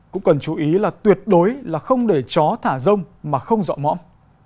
cũng cần chú ý là tuyệt đối là không để chó thả rông mà không dọa mõm